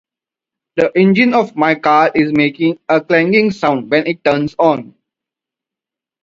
The engine of my car is making a clanging sound when it turns on.